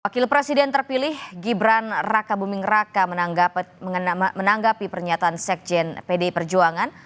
wakil presiden terpilih gibran raka buming raka menanggapi pernyataan sekjen pdi perjuangan